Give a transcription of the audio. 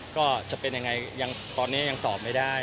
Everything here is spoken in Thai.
ก็จะเป็นยังไงตอนนี้ยังตอบไม่ได้